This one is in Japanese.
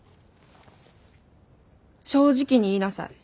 正直に言いなさい。